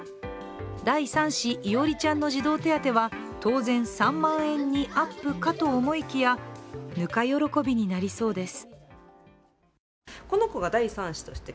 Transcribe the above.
第３子、いおりちゃんの児童手当は当然３万円にアップかと思いきやぬか喜びになりそうです。